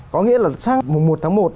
có nghĩa là sang mùng một tháng một